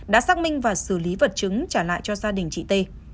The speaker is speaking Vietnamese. đã xác minh và xử lý vật chứng trả lại cho gia đình chị t